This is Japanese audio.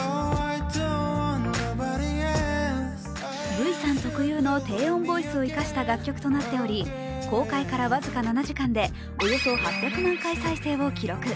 Ｖさん特有の低音ボイスを生かした楽曲となっており公開から僅か７時間でおよそ８００万回再生を記録。